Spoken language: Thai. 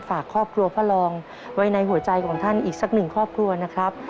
ฝากครอบครัวพ่อรองไว้ในหัวใจของท่านอีกสักหนึ่งครอบครัวนะครับ